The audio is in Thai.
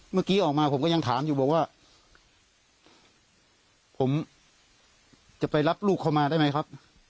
เมื่อกี้ออกมาผมก็ยังถามอยู่บอกว่าผมจะไปรับลูกเข้ามาได้ไหมครับ